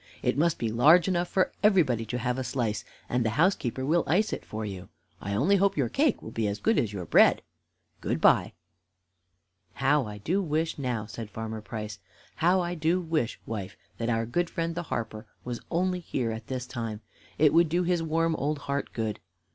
It must be large enough for everybody to have a slice, and the housekeeper will ice it for you. I only hope your cake will be as good as your bread. Good by." "How I do wish, now," said Farmer Price, "how I do wish, wife, that our good friend the harper was only here at this time. It would do his warm old heart good.